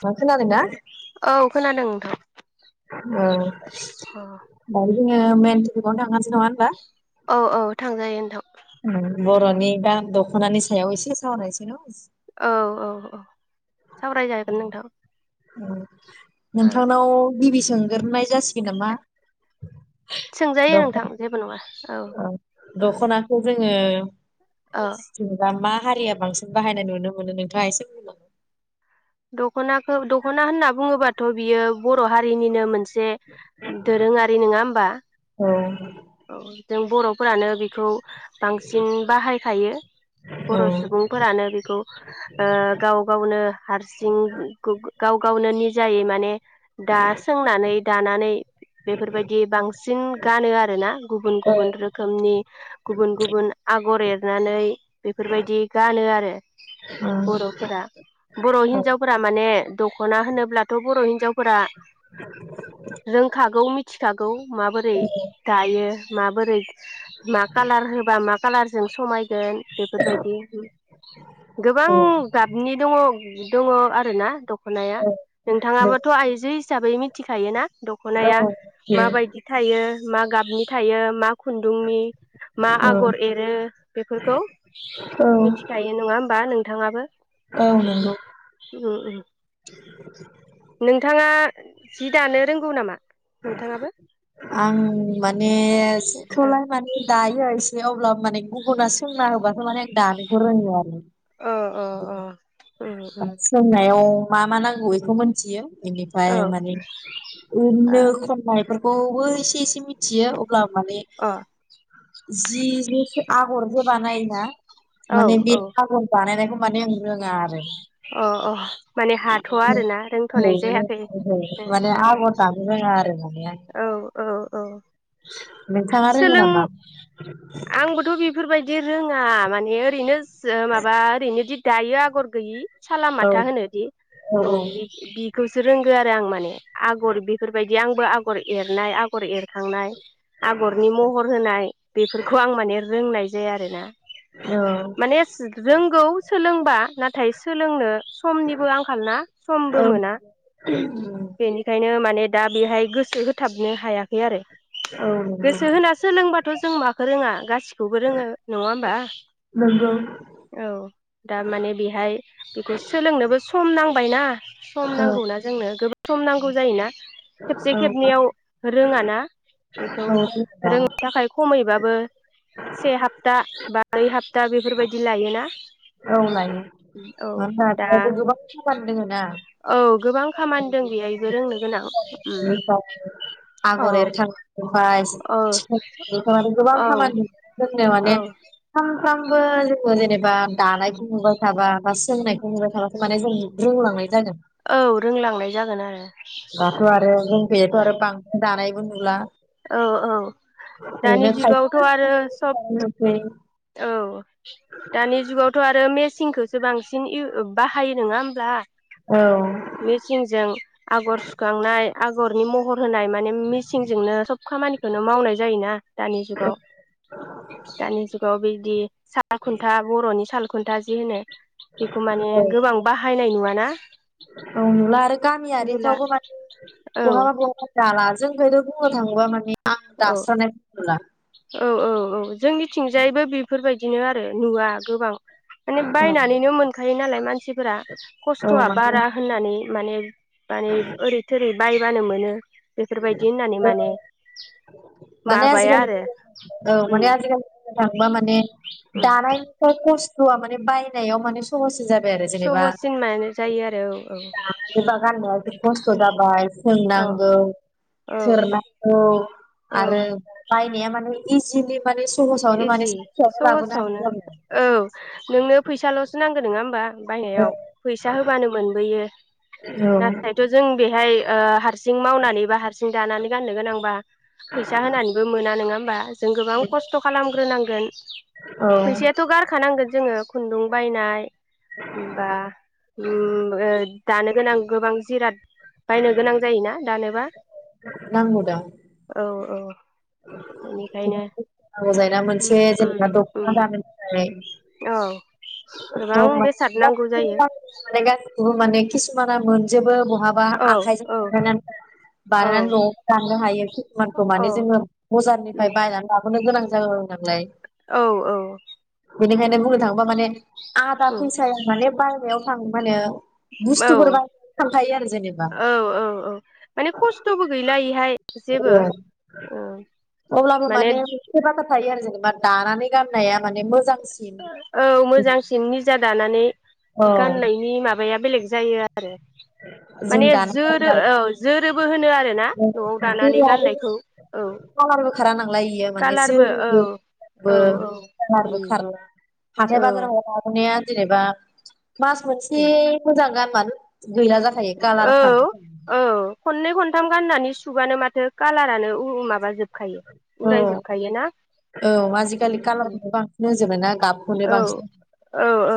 मा खोनादों ना औ खोनादों नोंथां औ। जोङो मेन टपिगावनो थांखानोसै नङा होनबा। औ औ थांजायो नोंथां। उम बर'नि दा दख खनानि सायाव एसे सावरायनोसै न । औ औ औ सावरायजागोन नोंथां। नोंथांनाव गिबि सोंग्रोनाय जासिगोन नामा सोंजायो औ नोंथां जेबो नङा औ दख'नाखौ औ जोङोबा मा हारिया बांसिन बाहायनाय नुनो मोनो नोंथाङा एसे बुंदो दख'नाखौ दख'ना होनना बुङोबाथ' बियो बर' हारिनिनो मोनसे से दोरोङारि नोङा होमबा औ औ। जों बर'फोरानो बेखौ बांसिन बाहायखायो औ बर' सुबुंफोरानो बेखौ ओ गाव गावनो सिं गाव गावनो निजायै माने दा सोंनानै दानानै बेफोरबायदि बांसिन गानो आरोना गुबुन औ गुबुन रोखोमनि गुबुन गुबुन आगर एरनानै बेफोरबायदि गानो आरो औ बरफोरा हिनजावफोरा माने दखना होनोब्लाथ ब बर हिन्जावफोरा रोंखागौ मिथिखागौ माबोरै दायो माबोरै मा कालार होबा मा कालार जों समायगोन बेफोरबायदि गोबां गाबनि दङ दङ आरो ना दख खनाया नोंथाङाबोथ आइजो हिस साबै मिथिखायो ना दखनाया माबायदि थायो? मा गाबनि थायो मा खुन्दुंनि मा आगर एरो बेफोरखौ औ मिथिखायो नङा होमबा नोंथाङाबो? नोंगौ उम उम नोंथाङा जि दानो रोंगौ नामा? नोंथाङाबो आं माने ओ सिखौलाय माने दायो दे अब्ला माने गुबुना सोंना होबाथ माने दानोखौ रोंगौ आरो अ अ अ उम उम सोंनायाव मा मा नांगौ बेखौ मोन जियाव बिनिफाय औ माने अ उननो लाइफोरखौबो एसे एसे मिथियो अ ब्ला माने अ जि जोंसो आगरखो बानायोना? औ माने बे औ आगर बानायनायखौ माने आं रोङा आरो अ अ माने हाथवा आरोना औ रोंथनाय माने जायाखै ओहो ओ माने ओ आगर दानो रोङा आरो माने आं औ औ नोंथाङा रोङो सोलों नामा आंबोथ बेफोरबायदि रोङा माने ओरैनो सो माबा ओरैनो दायो आगर गैयि । साला औ माथा होनोदि औ बि-बि खौसो रोंगौ आरो आं माने। आगर बेफोरबायदि आंबो आ गर एरनाय आगर एरखांनाय आगरनि महर होनाय बेफोरखौ आं माने रोंनाय जे आरो ना। औ माने रोंगौ सोलोंबा नाथाय सो सोलोंनो समनिबो आंखाल ना औ समबो मोना नंगौ बेनिखायनो माने दा बेहाय गोसो होथाबनो हायाखै आरो। गोसो होना सोलोंबाथ' जों माखौ रोङा गासि खौबो रोङो नङा होमबा? नोंगौ। औ दा माने बेहाय बेखौ सोलोंनोबो सम नां बायना। सम औ नांगौना जोंनो गोबा सम नांगौ जायोना? खेबसे खेबनैयाव रोङा ना बेखौ औ दा रोंनो थाखाय खमैबा बो से हाप्ता बा ब्रै हाप्ता बेफोरबायदि लायोना। औ लायो। औ दा [unintelligible] औ गोबां खामानि दं बेहायबो रोंनो गोनां। औके आगर एरखां [unintelligible] [unintelligible] औ गोबां औ खामानि मोनगोन। बुंनो माने औ [unintelligible] फ्रामबो जोङो जेनेबा दानायखौ नुबाय थाबा बा सोंनायखौ नुबाय थाबासो माने जों रोंलांनाय जागोन। औ रोंलांनाय जागोन आरो दाथ' आरो जोंफौथ' औ आरो बांसिन दानाय बो नुला औ औ दानि ओरैनो खायफा जुगावथ' आरो सब खायनै नुसै औ दानि जुगावथ' आरो मेसि सिंखौसो बांसिन इउ-बाहायो नोंङा होनब्ला? औ मेसिनजों आगर सुखांनाय आगर नि महर होनाय माने मिसिंजोंनो खामानिखौनो मावनाय जायोना दानि जुगाव दानि जुगाव बिदि साल खुन्था बर'नि साल खुन्था जि होनो बेखौ माने औ गोबां बाहायनाय नुवा । ना औ नुला आरो गामियारिफ्रावबो माने औ बहाबा बहाबा दाला जोंखैयथ' बुंनो थाङोबा माने आं औ दास्रानायखौनो नुला । औ औ औ जोंनिथिंजायबो बिफोरबायदि नो आरो नुवा गोबां । माने बायनानैनो मोनखायो नालाय मानसिफोरा औ खस्थ'आ माने बारा होननानै माने माने ओरै थोरै बायबानो मोनो । बेफोरबायदि होननानै माने माने माबाया आरो आजिखालि औ माने उम आजिखालि बुंनो थांबा माने उम दानायफ्राव खस्थ' [unintelligible] माने बायनायाव माने सहस सहसिन माने जायो आरो औ औ जबा [unintelligible] गाननायाथ' खस्थ' जाबाय औ सोंनांगौ अ थोरनांगौ औ आरो बायनाया माने इजिलि माने सहसावनो माने इजि सानसेयावनो लाबोनो हानाय सहसावनो जाबाय औ नोंनो फैसाल'सो नां गौ नङा होनबा बायनायाव फैसा होबानो मोनबोयो औ नाथायथ' जों बेहाय ओ हार सिं मावनानै बा हारसिं दानानै गाननो गोनांबा फैसा होनानैबो मोना नोङा होमबा जों गोबां खस्थ खालामग्रोनांगोन औ फैसायाथ' गारखानांगोन जोङो खुन्दुं बायनाय बा उम दानो गोनां गोबां जिराद बायनो गोनां जायोना दानोबा नांगौ दा औ औ बेनिखायनो नांगौ जायो ना उम मोनसे उम जेनेबा दख'ना उम दानो थाखाय औ गोबां बेसाद नांगौ जायो [unintelligible] माना मोन जेबो बहाबा औ आखाइजों औ बानायनानै औ बानायनानै न'आव दाननो हायो खिसुमानखौ औ माने जोङो उम बजारनिफ्राय बायनानै लाबोनो गोनां ज औ नोंलाय औ औ बेनिखायनो बुंनो थाङोबा माने आदा उम फैसाया माने बायनायाव थां मानो औ जेनेबा औ औ औ माने खस्थ'बो गैला इहाय जेबो औ औ माने बा दानानै गाननाया माने मोजां औ मोजांसिन निज जा दानानै औ गाननायनि माबाया बेलेग जायो आ आरो जों माने दानो जोरो गाननाय औ जोरोबो होनो आरोना न'आव दानानै जोरो आरो गाननायखौ औ कालारबो खारा नालाय इयो माने खालारबो औ जोरोबो बो औ औ कालारबो खारला हाथाय बाजारावहा‌ [inaudible] या जेनेबा मास मोनसे मोजां गान मोन [unintelligible] औ औ खननै खनथाम गाननानै सु सुबानो माथो कालारानो माबाजोब खायो उरायजोबखायोना औ आजिखालि कालारखौनो बांसिन होजोबबाय ना गाबखौनो औ बांसिन औ औ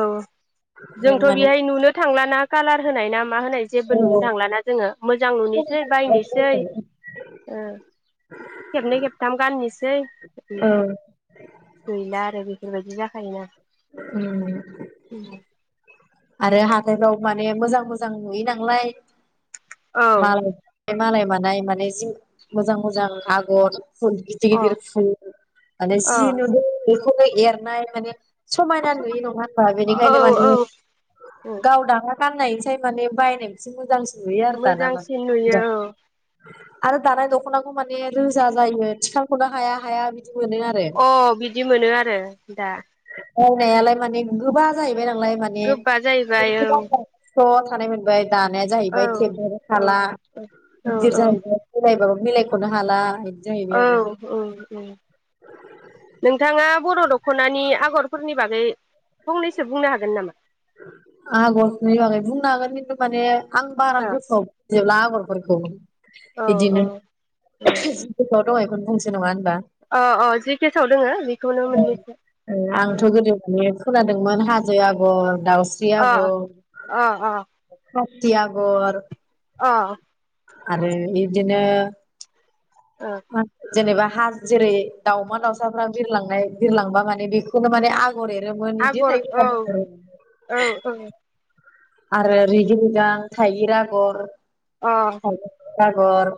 जोंथ' माने बेहाय नुनो थांलाना कालार होनाय ना मा होनाय जेबो औ नुनो थांलाना जोङो मोजां नुनोसै बायनोसै ओ खेबनै खेबथाम गाननोसै औ ओमफ्राय गैला आरो बे बेबायदि जाखायोना उम आरो हाथायफ्राव माने मोजां मोजां नुयो नालाय औ माल बे मालाय मानाय माने जि मोजां मोजां आगर फुल गिदिर अ गिदिर फुल माने अ जि नुदों बेखौनो एरनाय माने समायना नुयो नङा होनबा औ बेनिखायनो माने औ गावदाना फाननाय निसाय माने बायनायखौसो मोजांस नुजायो आरो दाना मोजांसिन नुयो आरो दानाय दखनाखौ माने रोजा जायो थिखांखनो हाया हाया बिद अ बिदि मोनो आरो दा मावनायालाय माने गोबा जायो नांलाय माने गोबा जाहैबाय औ [unintelligible] स्र थानाय मोनबाय दानाया औ जाहैबाय थेबबाबो औ थाला औ गिदिर औ जाहैबाय बेरायबाबो बिलाइखौनो हाला जाहैबाय औ औ औ नोंथाङा बर' दख'नानि आगरफोरनि बागै फंनैसो बुंनो हागोन नामा आगरनि बागै बुंनो हागोन खिन्थु माने आं बारा गोसोआव गैयाब्ला आगर आगरफोरखौ औ बिदिनो औ दहायनिखौनो बुंसै नङा होनब अ अ जि केसआव दोङो बेखौनो मोननैसै आंथ' गोदो खोनादोंमोन हाजो आगर दावस्रि अ आगर अ अ खासि आगर अह आरो बिदिनो ओ [unintelligible] जेनेबा हा जेरै दाउमा दाउसाफ्रा बिरलांनाय बिरलांबा माने बेखौनो माने आ गर एरोमोन इदिे आगर होननाय औ खोनादों औ औ आरो रिगि रिगां थाइगिर आगर अ थाइगिर आगर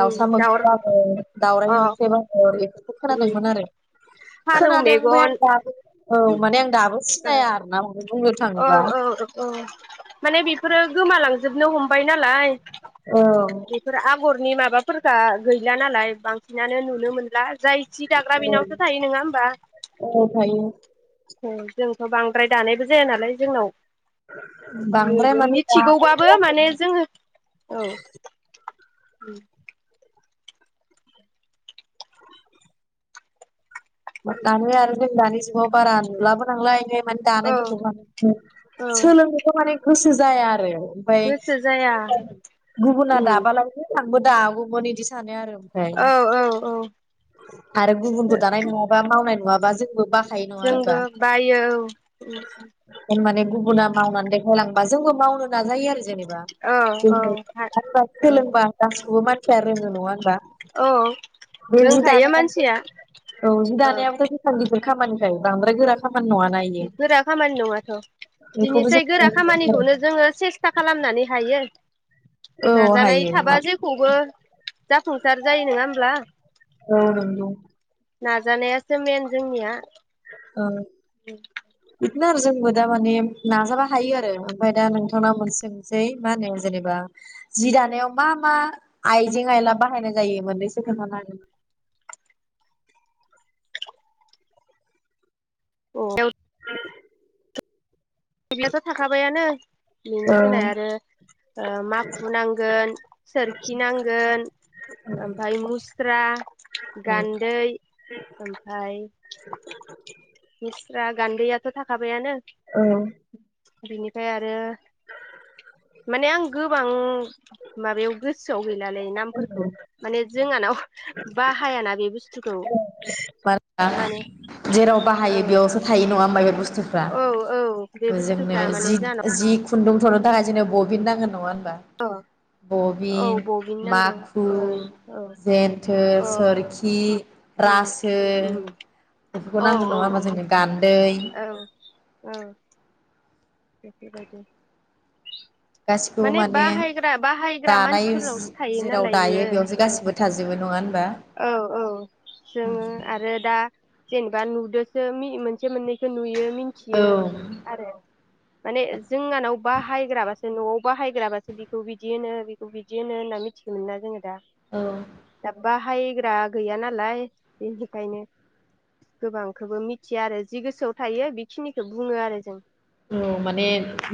उम दाउर मोख्रेब आगर, दाउराय अ मोख्रेब आगर एरो उम खोनादोंमोन आरो फारौ खोनादों ओमफाय मेगन आं दाबो औ माने आं दाबो सिनाया आरोना। बुंनो औ थाङोबा औ औ माने बेफोरो गोमालां जोबनो हमबाय नालाय औ बेफोर आगर नि माबाफोरखा गैला नालाय बांसिनानो नुनो मोनला । जाय सि दाग्रा औ बिनावसो थायो नोङा होमबा? औ थायो जोंथ' बांद्राय दानायबो जाया नालाय जोंनाव बांद्राय माने दानाय मिथिगौबाबो जायाखै माने जोङो औ उम दालाय आरो जों दानि जुगआव बारा नुलाबो नांलाय माने औ औ दानायफोरखौबो म औ [inaudible] सोलोंनायखौ माने गोसो जाया आरो। ओमफाय गोसो जाया गुबुना उम दाबालायनो बो दागौमोन इदि सानो आरो ओमफाय औ औ औ आरो गुबुनखौ दानाय नुवा मावनाय नुङाबा जोंबो बा जोंबो बायो औ माने गुबुना मावनानै देखायलांबा जोंबो मावनो नाजायो आरो। जेनेबा औ औ [unintelligible] सोलोंबा गा [inaudible] खौबो मानसि रोङो नङा होनबा? औ बे जि रोंखायो दानाया मानसिया। औ जि औ दानायाबोथ' [inaudible] बे खामानिफ्राय बांद्राय गोरा खामानि नङाना इयो गोरा खामानि नङाथ' बेखौबो जों बिनिसै गोरा मावनो खामानिखौनो हायो जोङो सेस्था खालामनानै हायो । आरो। औ नाजानाय हायो थाबा जेखौबो जाफुंसार जायो नङा होमब्ला? औ नंगौ नाजानायासो मेन जोंनिया। ओं उम इनो आरो जोंबो दा माने नाजाबा हायो आरो ओमफ्राय दा नोंथांनाव मोन सोंसै मा होनो जेनेबा जि दानायाव मा मा आइजें आयला बाहायनाय जायो मोननैसो खोन्थाना हागोनना औ [unintelligible] [unintelligible] याथ' थाखाबायानो । बिनि सोलाय आरो ओ माखु नांगोन सोरखि नांगोन ओमफाय मुस स्रा गान्दै ओमफाय स्रा, गान्दैयाथ' थाखाबायानो । औ बिनिफाय आरो माने आं गोबां माबायाव गोसोआव गैलालै नामफोरखौ माने जोंहानाव बाहायाना बे बुस मा जेराव औ बाहायो बेयावसो थायो नङा होमबा बे बुस्थु फ्रा औ औ बे जोंनो बुस्थुफ्रा माने जिथ जिथ खुन्दुं थुननो थाखाय जोंनो बबिन नांगोन नङा होम बा जाहानाव औ बबिन, बबिन नांगौ माखु, ओ औ जेन्थोर, अ सोरखि उम रासो उम बेफोरखौ औ नांगोन नङा होमबा औ जोंनो गान्दै। बेफोर बायदि गासिखौबो माने बाहायग्रा दानाय मानसिफोरनावसो थायो जेराव नालाय इयो दायो बेयावसो औ गासिबो थाजोबो नङा होन औ औ जोङो आरो दा जेनेबा नुदोसो मि मोनसे मोननैखो नुयो। औ मोनथियो आरो माने जोंहानाव बाहायग्राबा जों न'आव बाहायग्राबासो बिखौ बिदि होनो बिखौ बिदि होनो होनना मिथिगोमोन ना जोङो दा । औ दा बाहायग्रा गैया नालाय बेनिखायनो गोबांखौबो मिथिया आरो जि गोसोआव थायो बेखिनिखौ बुङो आरो जों। औ माने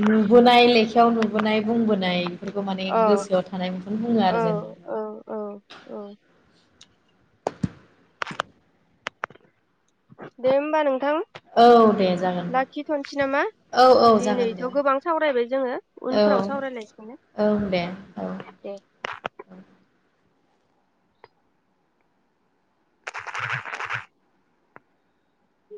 नुबोनाय लेखायाव नुबोनाय बुंबोनाय बेफोरखौ माने औ गोसोआव थानाय बुङो औ आरो जों औ औ औ दे होमबा नोंथां औ दे जागोन । दे लाखिथ'सै नामा औ औ जागोन दे दिनैथ' गोबां सावरायबाय जोङो औ उनफोराव सावरायलायसै ने । ओं औ दे औ दे उ